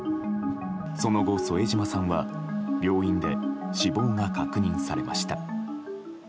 その後、添島さんは病院で死亡が確認されました。